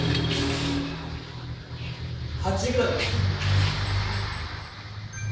８ｇですね。